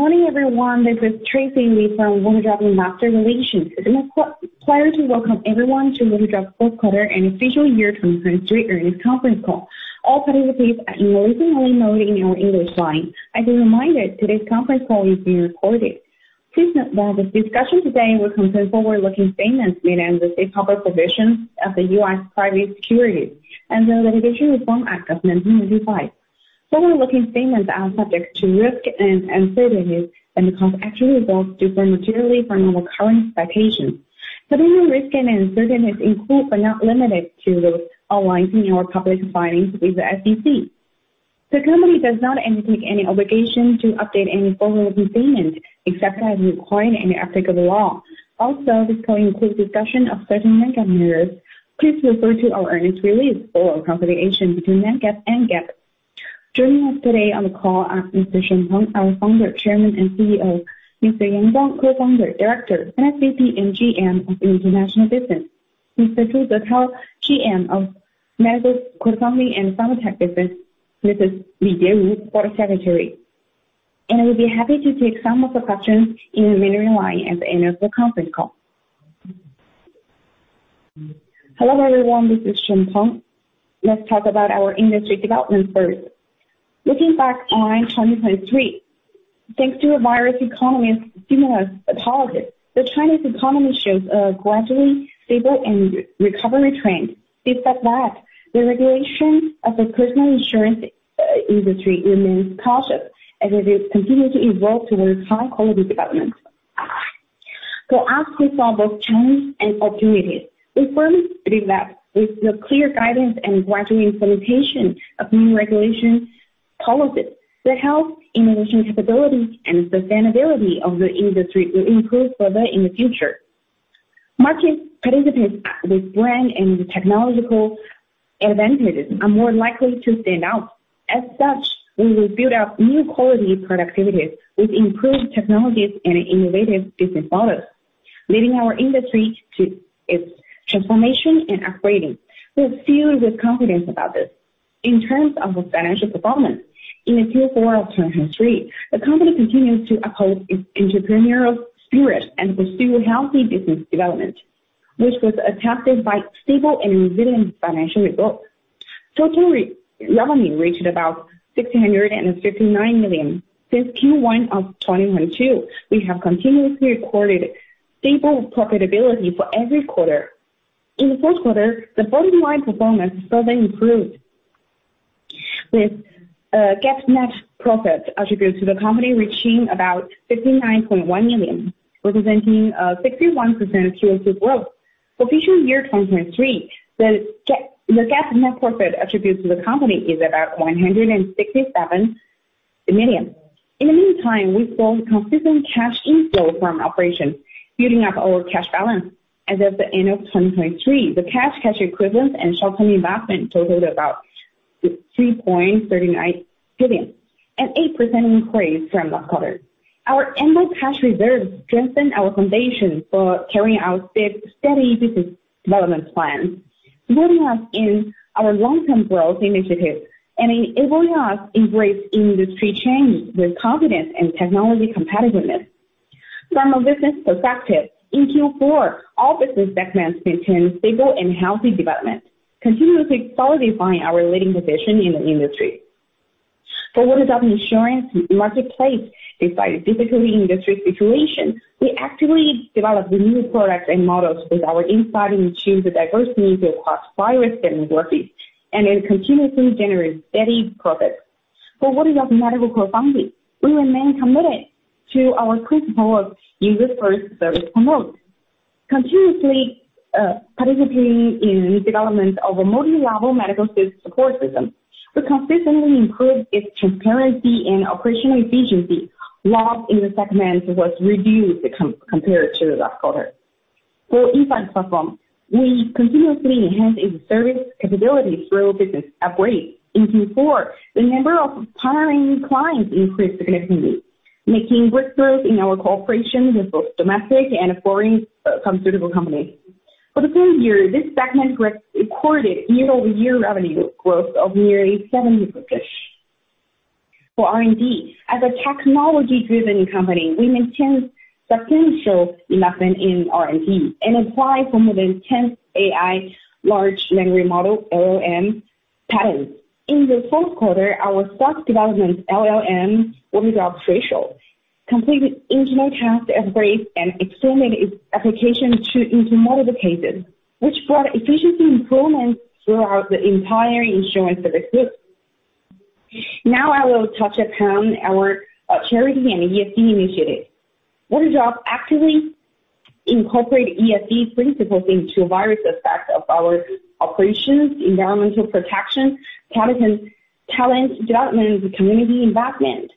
Morning everyone, this is Tracy Lee from Waterdrop Investor Relations. It is my pleasure to welcome everyone to Waterdrop Fourth Quarter and Full Year 2023 earnings conference call. All participants are in listen-only mode on our English line. As a reminder, today's conference call is being recorded. Please note that this discussion today will contain forward-looking statements made under the Safe Harbor Provisions of the U.S. Private Securities Litigation Reform Act of 1995. Forward-looking statements are subject to risks and uncertainties and actual results may differ materially from our current expectations. Potential risks and uncertainties include, but are not limited to, those outlined in our public filings with the SEC. The company does not undertake any obligation to update any forward-looking statements except as required by applicable law. Also, this call includes discussion of certain non-GAAP measures. Please refer to our earnings release for confirmation between net GAAP and GAAP. Joining us today on the call are Mr. Shen Peng, our founder, chairman, and CEO; Mr. Yang Guang, co-founder, director, SVP and GM of International Business; Mr. Zhu Zitao, GM of Medical Crowdfunding and Pharmatech Business; Mrs. Li Jiawu, board secretary. I would be happy to take some of the questions in the Mandarin line at the end of the conference call. Hello everyone, this is Shen Peng. Let's talk about our industry developments first. Looking back on 2023, thanks to various economic stimulus policies, the Chinese economy shows a gradually stable and recovery trend. Despite that, the regulation of the personal insurance industry remains cautious as it continues to evolve towards high-quality development. So as we saw both challenges and opportunities, we firmly believe that with the clear guidance and gradual implementation of new regulation policies, the health, innovation capabilities, and sustainability of the industry will improve further in the future. Market participants with brand and technological advantages are more likely to stand out. As such, we will build up new quality productivities with improved technologies and innovative business models, leading our industry to its transformation and upgrading. We are filled with confidence about this. In terms of financial performance, in the Q4 of 2023, the company continues to uphold its entrepreneurial spirit and pursue healthy business development, which was attested by stable and resilient financial results. Total revenue reached about 659 million. Since Q1 of 2022, we have continuously recorded stable profitability for every quarter. In the fourth quarter, the bottom line performance further improved, with a GAAP net profit attributed to the company reaching about 59.1 million, representing a 61% Q2 growth. For future year 2023, the GAAP net profit attributed to the company is about 167 million. In the meantime, we saw consistent cash inflow from operations, building up our cash balance. As of the end of 2023, the cash and cash equivalents and short-term investments totaled about 3.39 billion, an 8% increase from last quarter. Our annual cash reserves strengthen our foundation for carrying out steady business development plans, supporting us in our long-term growth initiatives and enabling us to embrace industry change with confidence and technology competitiveness. From a business perspective, in Q4, all business segments maintain stable and healthy development, continuously solidifying our leading position in the industry. For Waterdrop Insurance Marketplace, despite a difficult industry situation, we actively developed new products and models with our insight into the diversity of cross-brand demographics and continuously generate steady profits. For Waterdrop Medical Crowdfunding, we remain committed to our principle of "User First, Service Promote." Continuously participating in development of a multi-level medical support system, we consistently improved its transparency and operational efficiency. Loss in the segment was reduced compared to last quarter. For Insights Platform, we continuously enhanced its service capabilities through business upgrades. In Q4, the number of partnering clients increased significantly, making breakthroughs in our cooperation with both domestic and foreign compatible companies. For the same year, this segment recorded year-over-year revenue growth of nearly 70%. For R&D, as a technology-driven company, we maintained substantial investment in R&D and applied for more than 10 AI large language model (LLM) patents. In the fourth quarter, our self-developed LLM, Waterdrop Da Mo, completed internal task upgrades and extended its application into multiple cases, which brought efficiency improvements throughout the entire insurance service group. Now I will touch upon our charity and ESG initiatives. Waterdrop actively incorporated ESG principles into various aspects of our operations, environmental protection, talent development, and community investment,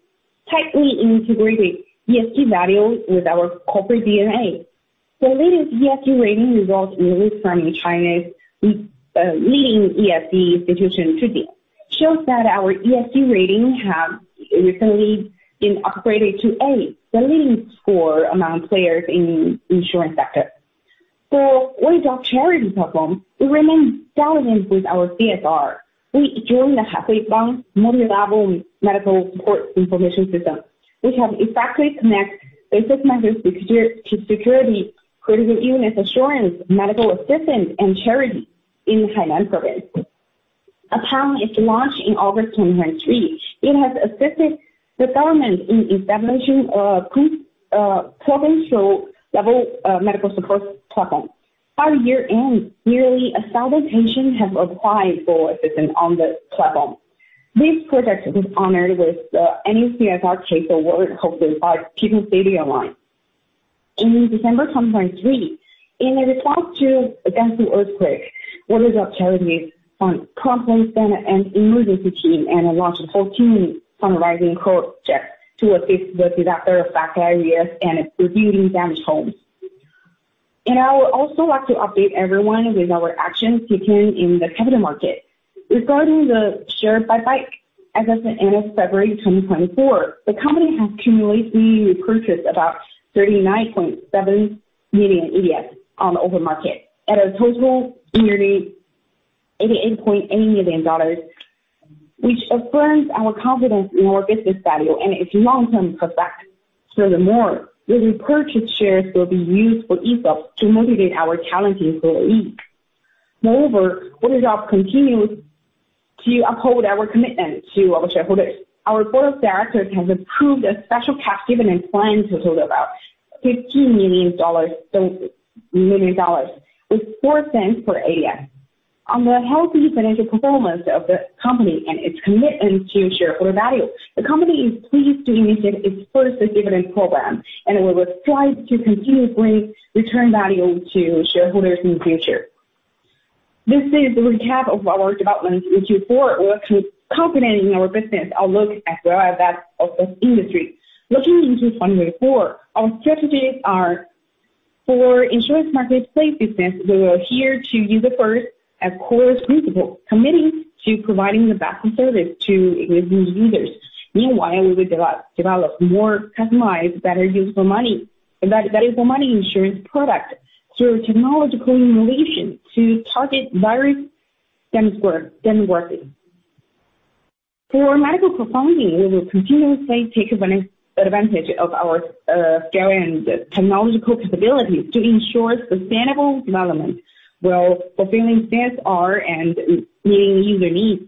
tightly integrating ESG values with our corporate DNA. The latest ESG rating resulting from China's leading ESG institution today shows that our ESG rating has recently been upgraded to A, the leading score among players in the insurance sector. For Waterdrop Charity Platform, we remain relevant with our CSR. We joined the Hui Bang multi-level medical support information system, which have effectively connected business members to security-critical units, insurance, medical assistants, and charities in Hainan Province. Upon its launch in August 2023, it has assisted the government in establishing a provincial-level medical support platform. By year-end, nearly 1,000 patients have applied for assistance on the platform. This project was honored with the Annual CSR Case Award, hopefully by People's Daily Online. In December 2023, in response to the Gansu earthquake, Waterdrop Charity Fund promptly sent an emergency team and launched a 14-fundraising project to assist with disaster-affected areas and rebuilding damaged homes. I would also like to update everyone with our actions taken in the capital market. Regarding the share buyback, as of the end of February 2024, the company has cumulatively repurchased about 39.7 million ADS on the open market, at a total of nearly RMB88.8 million, which affirms our confidence in our business value and its long-term perspective. Furthermore, the repurchased shares will be used for ESOPs to motivate our talented employees. Moreover, Waterdrop continues to uphold our commitment to our shareholders. Our board of directors has approved a special cash dividend plan totaled about RMB15 million with 0.04 per ADS. On the healthy financial performance of the company and its commitment to shareholder value, the company is pleased to initiate its first dividend program, and it will strive to continue bringing return value to shareholders in the future. This is the recap of our developments in Q4. We are confident in our business outlook as well as that of this industry. Looking into 2024, our strategies are for insurance marketplace business. We are here to use the first as core principle, committing to providing the best service to existing users. Meanwhile, we will develop more customized, better-usable money insurance products through technological innovation to target various demographics. For Medical Crowdfunding, we will continuously take advantage of our scale and technological capabilities to ensure sustainable development while fulfilling CSR and meeting user needs.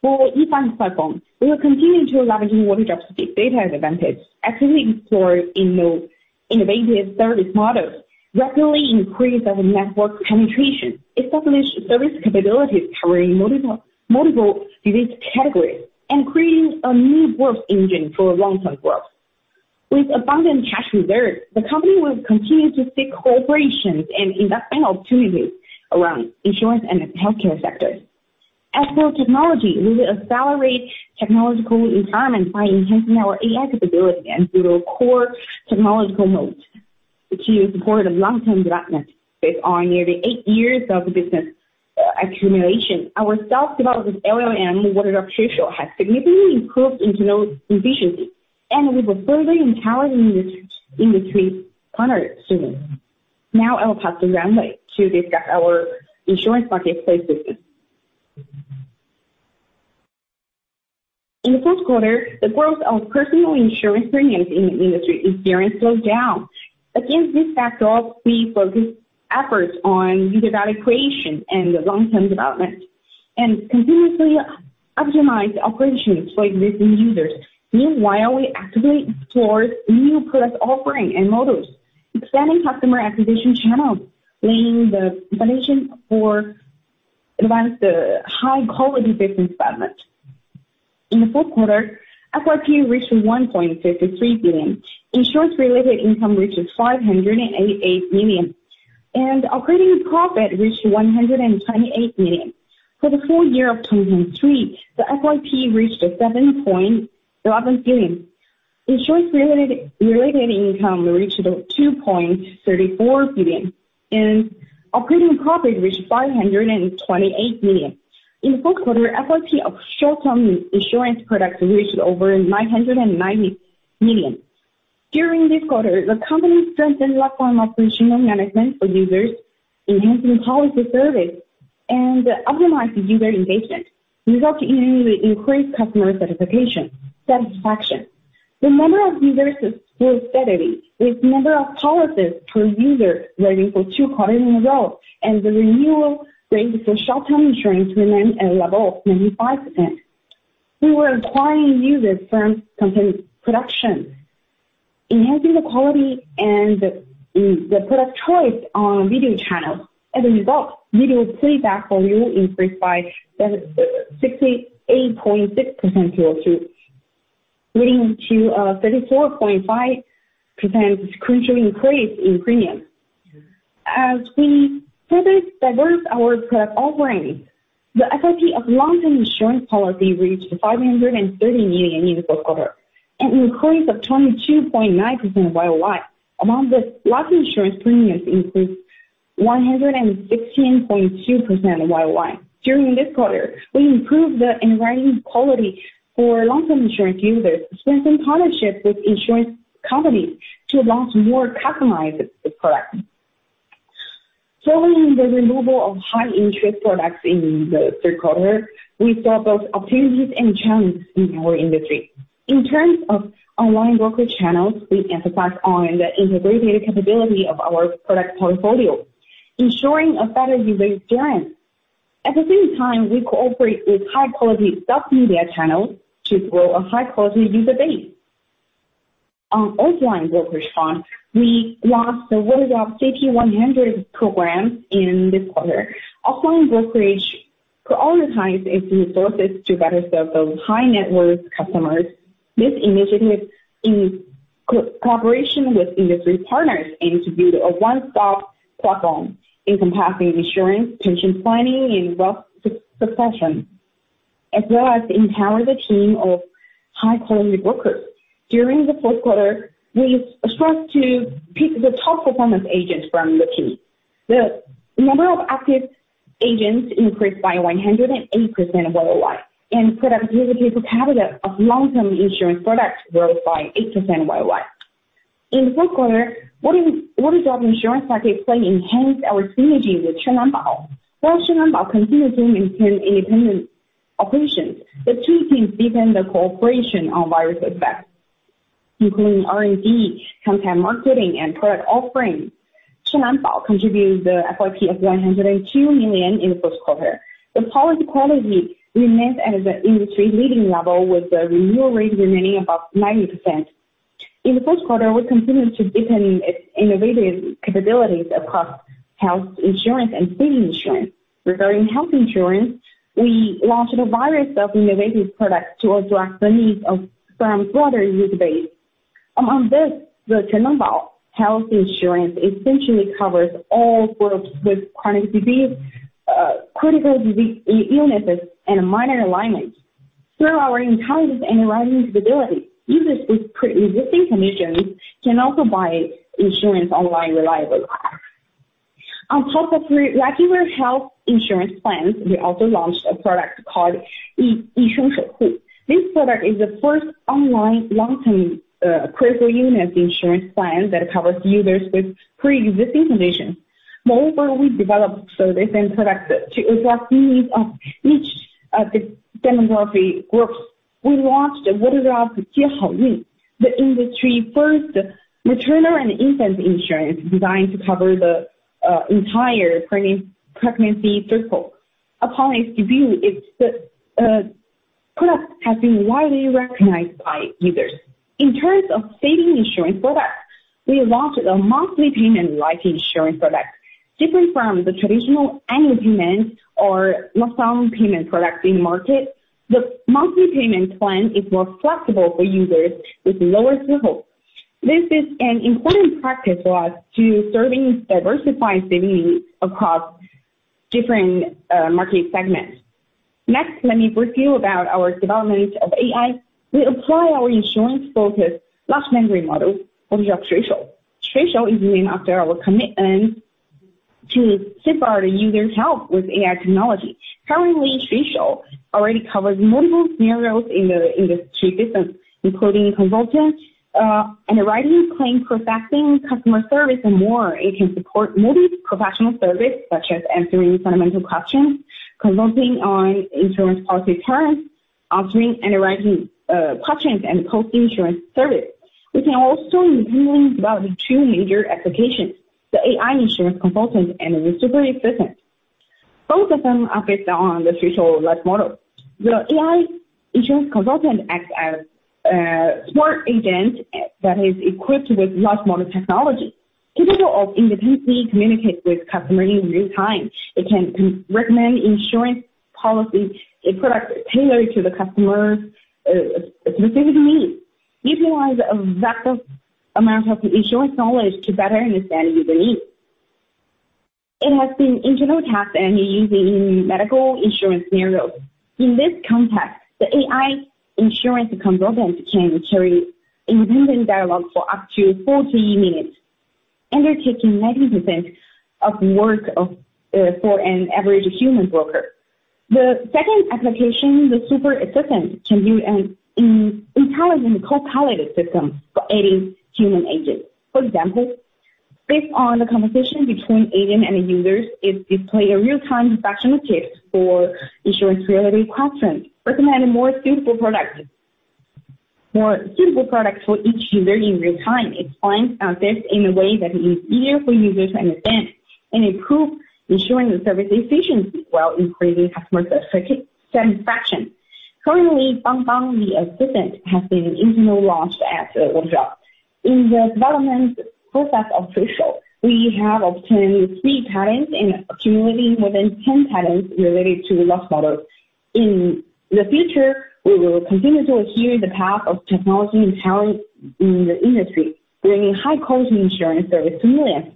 For Insights Platform, we will continue to leverage Waterdrop's big data advantage, actively exploring innovative service models, rapidly increasing network penetration, establishing service capabilities covering multiple disease categories, and creating a new growth engine for long-term growth. With abundant cash reserves, the company will continue to seek cooperation and investment opportunities around insurance and healthcare sectors. As for technology, we will accelerate technological environment by enhancing our AI capability and build our core technological moat to support long-term development. Based on nearly eight years of business accumulation, our self-developed LLM, Waterdrop Shui Shou, has significantly improved internal efficiency, and we will further empower the industry partner soon. Now I will pass to Yang to discuss our insurance marketplace business. In the fourth quarter, the growth of personal insurance premiums in the industry experienced a slowdown. Against this backdrop, we focused efforts on new data creation and long-term development, and continuously optimized operations for existing users. Meanwhile, we actively explored new product offerings and models, expanding customer acquisition channels, laying the foundation for advanced high-quality business development. In the fourth quarter, FYP reached 1.53 billion. Insurance-related income reached 588 million, and operating profit reached 128 million. For the full year of 2023, the FYP reached 7.11 billion. Insurance-related income reached 2.34 billion, and operating profit reached 528 million. In the fourth quarter, FYP of short-term insurance products reached over 990 million. During this quarter, the company strengthened platform operational management for users, enhancing policy service, and optimized user engagement, resulting in increased customer satisfaction. The number of users grew steadily, with the number of policies per user rating for two quarters in a row, and the renewal rate for short-term insurance remained at a level of 95%. We were acquiring users from content production, enhancing the quality and the product choice on video channels. As a result, video playback volume increased by 68.6%, leading to a 34.5% crucial increase in premiums. As we further diversified our product offerings, the FYP of long-term insurance policy reached 530 million in the fourth quarter, an increase of 22.9% worldwide, among which life insurance premiums increased 116.2% worldwide. During this quarter, we improved the underwriting quality for long-term insurance users, strengthening partnerships with insurance companies to launch more customized products. Following the removal of high-interest products in the third quarter, we saw both opportunities and challenges in our industry. In terms of online brokerage channels, we emphasized the integrated capability of our product portfolio, ensuring a better user experience. At the same time, we cooperated with high-quality self-media channels to grow a high-quality user base. On offline brokerage front, we launched the Waterdrop CP100 program in this quarter. Offline brokerage prioritized its resources to better serve those high-net-worth customers. This initiative is in cooperation with industry partners to build a one-stop platform encompassing insurance, pension planning, and wealth succession, as well as empower the team of high-quality brokers. During the fourth quarter, we struck to pick the top performance agents from the team. The number of active agents increased by 108% worldwide, and productivity per capita of long-term insurance products rose by 8% worldwide. In the fourth quarter, Waterdrop Insurance Marketplace enhanced our synergy with Shenlanbao. While Shenlanbao continues to maintain independent operations, the two teams deepened their cooperation on various aspects, including R&D, content marketing, and product offerings. Shenlanbao contributed the FYP of 102 million in the first quarter. The policy quality remained at the industry-leading level, with the renewal rate remaining above 90%. In the fourth quarter, we continued to deepen its innovative capabilities across health insurance and critical insurance. Regarding health insurance, we launched a variety of innovative products to address the needs of a broader user base. Among this, the Shenlanbao health insurance essentially covers all groups with chronic diseases, critical illnesses, and minor ailments. Through our intelligent and underwriting capabilities, users with pre-existing conditions can also buy insurance online reliably. On top of regular health insurance plans, we also launched a product called Eseng Shuhui. This product is the first online long-term critical illness insurance plan that covers users with pre-existing conditions. Moreover, we developed services and products to address the needs of each demographic group. We launched Waterdrop Jiahao Yun, the industry's first maternal and infant insurance designed to cover the entire pregnancy cycle. Upon its debut, its product has been widely recognized by users. In terms of savings insurance products, we launched a monthly payment life insurance product. Different from the traditional annual payments or lump-sum payment products in the market, the monthly payment plan is more flexible for users with lower thresholds. This is an important practice for us to serve and diversify savings needs across different market segments. Next, let me brief you about our development of AI. We apply our insurance-focused large language models, Waterdrop Threshold. Threshold is named after our commitment to safeguard users' health with AI technology. Currently, Damo already covers multiple scenarios in the industry business, including consulting, underwriting, claim processing, customer service, and more. It can support multi-professional services such as answering fundamental questions, consulting on insurance policy terms, answering underwriting questions, and post-insurance service. We can also independently develop two major applications: the AI insurance consultant and the recovery assistant. Both of them are based on the Damo LLM. The AI insurance consultant acts as a smart agent that is equipped with large model technology, capable of independently communicating with customers in real time. It can recommend insurance policy products tailored to the customer's specific needs, utilizing a vast amount of insurance knowledge to better understand user needs. It has been internally tested and used in medical insurance scenarios. In this context, the AI insurance consultant can carry independent dialogue for up to 40 minutes, undertaking 90% of the work for an average human broker. The second application, the super assistant, can build an intelligent co-pilot system for aiding human agents. For example, based on the conversation between agents and users, it displays real-time professional tips for insurance-related questions, recommending more suitable products for each user in real time. It finds answers in a way that is easier for users to understand and improve insurance service efficiency while increasing customer satisfaction. Currently, Bang Bang, the assistant, has been internally launched as Waterdrop. In the development process of Waterdrop Threshold, we have obtained three patents and accumulated more than 10 patents related to the large model. In the future, we will continue to adhere to the path of technology and talent in the industry, bringing high-quality insurance service to millions.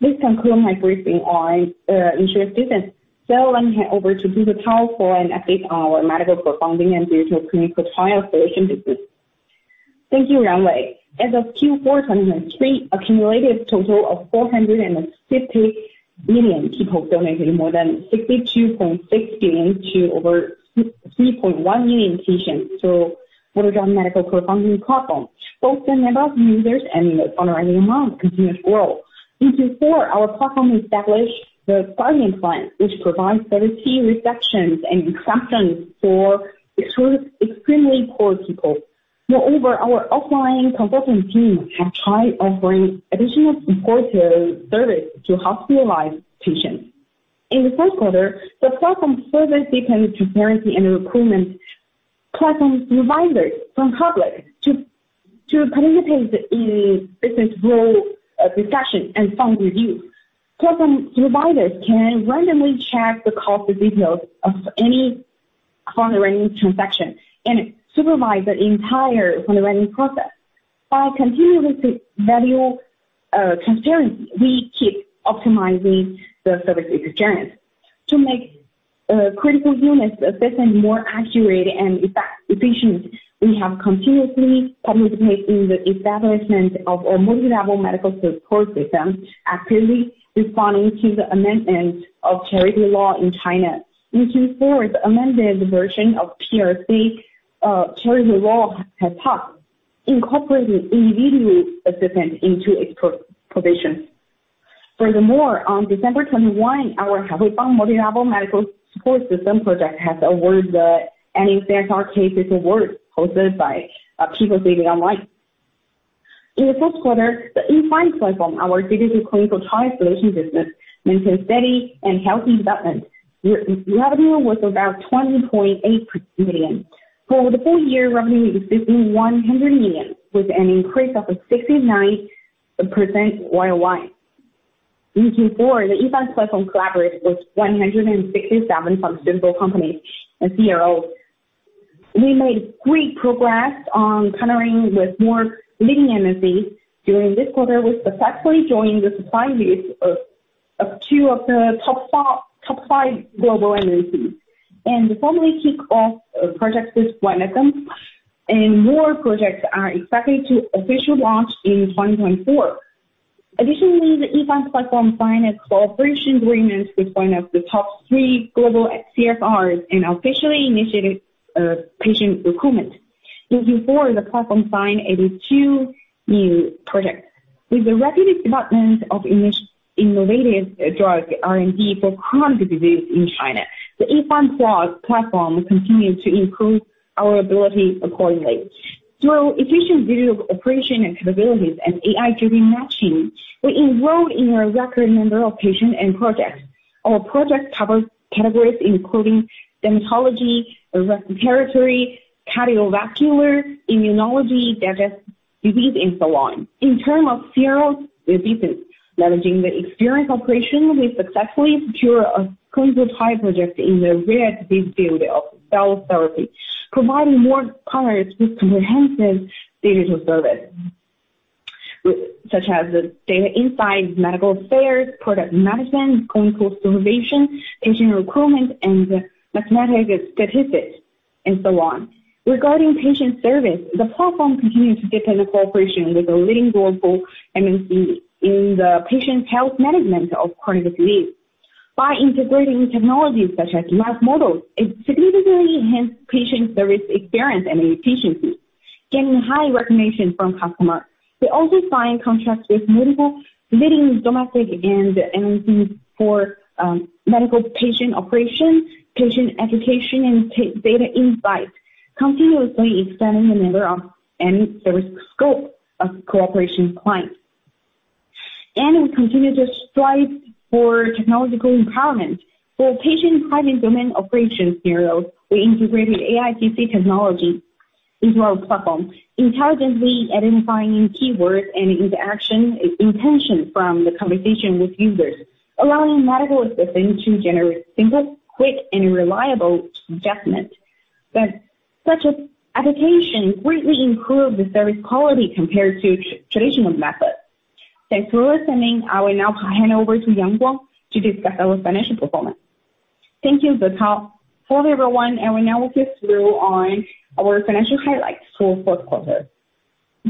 This concludes my briYifanng on insurance business. So let me hand over to Zhu Zitao and update on our Medical Crowdfunding and Digital Clinical Trial Solution business. Thank you, Yang Guang. As of Q4 2023, an accumulated total of 450 million people donated more than 62.6 billion to over 3.1 million patients through Waterdrop Medical Crowdfunding platform. Both the number of users and the fundraising amount continued to grow. In Q4, our platform established the Guardian Plan, which provides service fee reductions and exemptions for extremely poor people. Moreover, our offline consulting team has tried offering additional supportive services to hospitalized patients. In the fourth quarter, the platform further deepened transparency and recruitment. Platform providers, from public to participants in business role discussion and fund review, platform providers can randomly check the cost details of any fundraising transaction and supervise the entire fundraising process. By continuously valuing transparency, we keep optimizing the service experience. To make critical illness assessment more accurate and efficient, we have continuously participated in the establishment of our multi-level medical support system, actively responding to the amendments of charity law in China. In Q4, the amended version of PRC charity law has touched, incorporating individual assistants into its provisions. Furthermore, on December 21, our Hui Bang multi-level medical support system project has awarded the NECSR Case Award, hosted by People's Daily Online. In the fourth quarter, the Yifan platform, our Digital Clinical Trial Solution business, maintains steady and healthy development revenue with about 20.8 million. For the full year, revenue exceeded 100 million, with an increase of 69% worldwide. In Q4, the Yifan platform collaborated with 167 funds from several companies and CROs. We made great progress on partnering with more leading MNCs during this quarter, successfully joining the supply list of two of the top five global MNCs. And to formally kick off projects with one of them, more projects are expected to officially launch in 2024. Additionally, the Yifan platform signed a cooperation agreement with one of the top three global CROs and officially initiated patient recruitment. In Q4, the platform signed 82 new projects. With the rapid development of innovative drug R&D for chronic disease in China, the Yifan platform continues to improve our ability accordingly. Through efficient digital operation capabilities and AI-driven matching, we enrolled in a record number of patients and projects. Our projects cover categories including dermatology, respiratory, cardiovascular, immunology, digestive disease, and so on. In terms of CROs. Diseases, leveraging the experience operation, we successfully secured a clinical trial project in the rare disease field of cell therapy, providing more partners with comprehensive digital services such as data insights, medical affairs, product management, clinical supervision, patient recruitment, and mathematical statistics, and so on. Regarding patient service, the platform continues to deepen cooperation with a leading global MNC in the patient health management of chronic disease. By integrating technologies such as large models, it significantly enhanced patient service experience and efficiency, gaining high recognition from customers. We also signed contracts with multiple leading domestic and MNCs for medical patient operations, patient education, and data insights, continuously expanding the number and scope of cooperation clients. We continue to strive for technological empowerment. For patient private domain operations scenarios, we integrated AIPC technology into our platform, intelligently identifying keywords and interaction intentions from the conversation with users, allowing medical assistants to generate simple, quick, and reliable judgments. Such applications greatly improve the service quality compared to traditional methods. Thanks for listening. I will now hand over to Yang Guang to discuss our financial performance. Thank you, Guo Tao. Hello, everyone. We now will get through our financial highlights for the fourth quarter.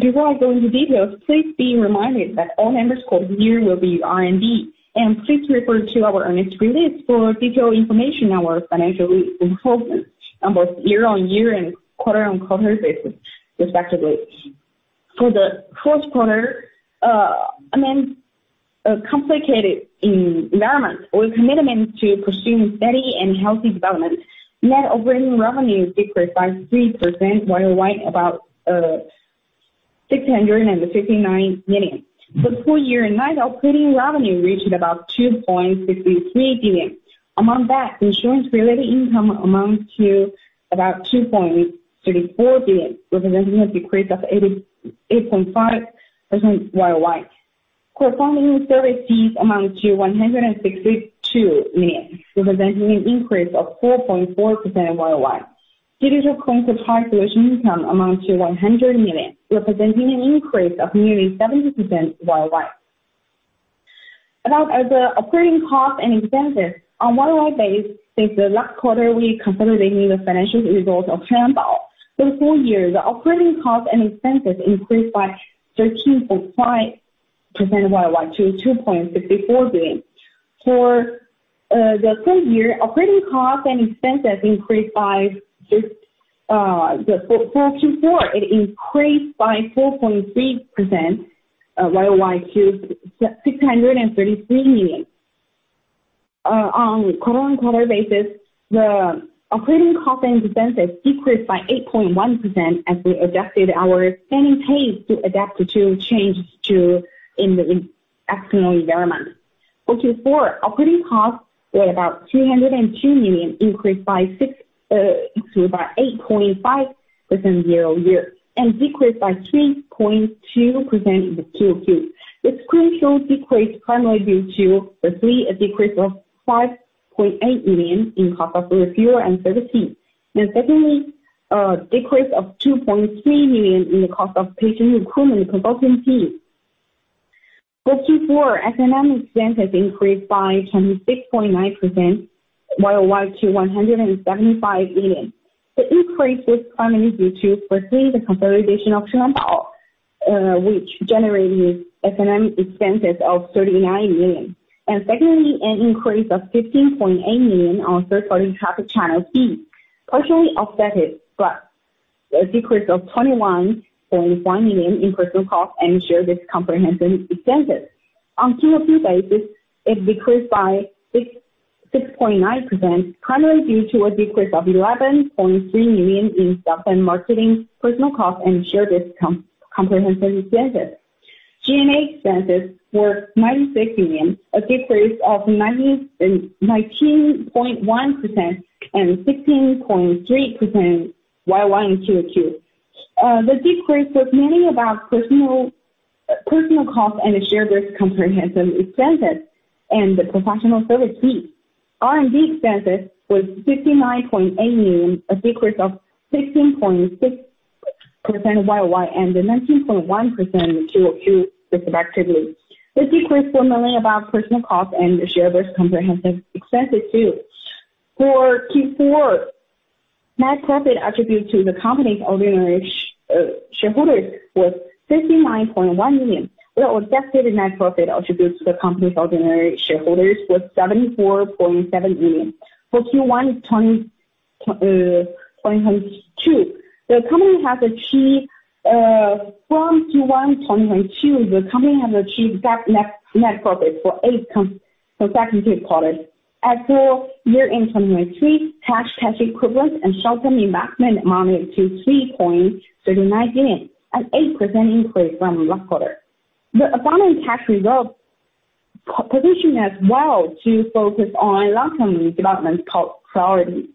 Before I go into details, please be reminded that all numbers quoted here will be in RMB. Please refer to our earnings release for detailed information on our financial performance on both year-over-year and quarter-over-quarter basis, respectively. For the fourth quarter, amid complicated environments, our commitment to pursuing steady and healthy development, net operating revenue decreased by 3% year-over-year to about 659 million. For the full year, net operating revenue reached about 2.63 billion. Among that, insurance-related income amounted to about 2.34 billion, representing a decrease of 8.5% worldwide. Crowdfunding service fees amounted to 162 million, representing an increase of 4.4% worldwide. Digital clinical trial solution income amounted to 100 million, representing an increase of nearly 70% worldwide. About the operating costs and expenses on a worldwide basis, since the last quarter, we consolidated the financial results of Shenlanbao. For the full year, the operating costs and expenses increased by 13.5% worldwide to 2.64 billion. For the third year, operating costs and expenses increased by for Q4, it increased by 4.3% worldwide to RMB 633 million. On quarter-on-quarter basis, the operating costs and expenses decreased by 8.1% as we adjusted our standing pay to adapt to changes in the external environment. For Q4, operating costs were about 202 million, increased by 8.5% year-on-year and decreased by 3.2% in Q2. The decrease was primarily due to, firstly, a decrease of 5.8 million in cost of revenue and service fees, and secondly, a decrease of 2.3 million in the cost of patient recruitment and consulting fees. For Q4, S&M expenses increased by 26.9% year-over-year to 175 million. The increase was primarily due to, firstly, the consolidation of Shenlanbao, which generated S&M expenses of 39 million, and secondly, an increase of 15.8 million on third-party traffic channel fees, partially offset by a decrease of 21.1 million in personnel costs and share-based compensation expenses. On Q2 basis, it decreased by 6.9%, primarily due to a decrease of 11.3 million in sales and marketing, personnel costs, and share-based compensation expenses. G&A expenses were 96 million, a decrease of 19.1% year-over-year and 16.3% quarter-over-quarter in Q2. The decrease was mainly about personal costs and the share-based compensation expenses and the professional service fees. R&D expenses were 59.8 million, a decrease of 16.6% year-over-year and 19.1% in Q2, respectively. The decrease was mainly about personal costs and the share-based compensation expenses, too. For Q4, net profit attributed to the company's ordinary shareholders was 59.1 million. The objective net profit attributed to the company's ordinary shareholders was 74.7 million. For Q1 2022, the company has achieved net profit for eight consecutive quarters. As for year-end 2023, cash equivalents and short-term investments amounted to 3.39 billion, an 8% increase from last quarter. The abundant cash reserves positioned us well to focus on long-term development priorities.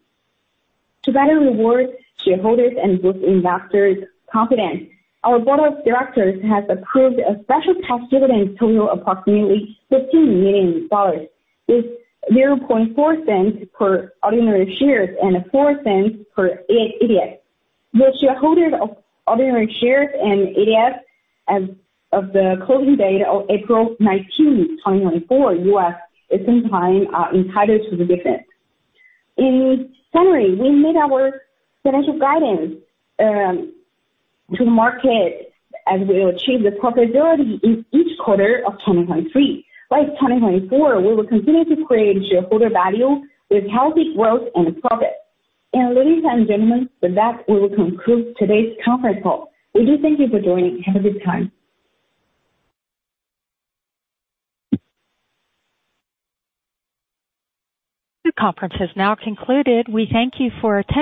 To better reward shareholders and boost investors' confidence, our board of directors has approved a special cash dividend total of approximately RMB15 million, with 0.004 per ordinary shares and 0.04 per ADS. The shareholders of ordinary shares and ADSs of the closing date of April 19, 2024, U.S., is sometime entitled to the difference. In summary, we made our financial guidance to the market as we achieved the profitability in each quarter of 2023. Like 2024, we will continue to create shareholder value with healthy growth and profits. Ladies and gentlemen, with that, we will conclude today's conference call. We do thank you for joining. Have a good time. The conference has now concluded. We thank you for attending.